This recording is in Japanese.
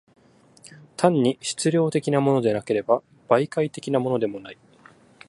単に質料的のものでもなければ、媒介的のものでもない。